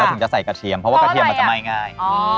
ถึงจะใส่กระเทียมเพราะว่ากระเทียมมันจะไหม้ง่าย